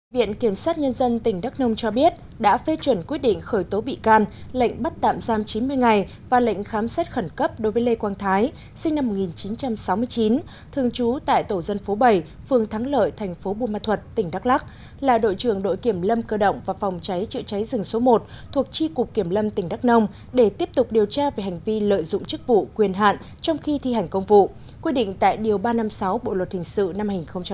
viện kiểm soát nhân dân tỉnh đắk nông cho biết đã phê chuẩn quyết định khởi tố bị can lệnh bắt tạm giam chín mươi ngày và lệnh khám xét khẩn cấp đối với lê quang thái sinh năm một nghìn chín trăm sáu mươi chín thường trú tại tổ dân phố bảy phường thắng lợi thành phố buôn ma thuật tỉnh đắk lắc là đội trưởng đội kiểm lâm cơ động và phòng cháy trựa cháy rừng số một thuộc tri cục kiểm lâm tỉnh đắk nông để tiếp tục điều tra về hành vi lợi dụng chức vụ quyền hạn trong khi thi hành công vụ quyết định tại điều ba trăm năm mươi sáu bộ luật thình sự năm hai nghìn một mươi năm